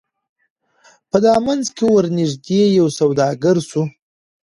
په دامنځ کي ورنیژدې یو سوداګر سو